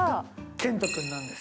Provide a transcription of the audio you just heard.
健人君なんです。